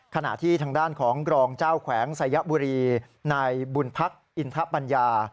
ขณะที่ทางด้านของกรองเจ้าแขวงสายบุรีนายบุญพักอินทะปัญญา